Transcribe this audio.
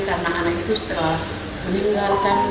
karena anak itu setelah meninggalkan